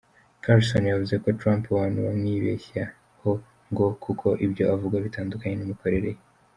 Carson yavuze ko Trump abantu bamwibeshyaho, ngo kuko ibyo avuga bitandukanye n’imikorere ye.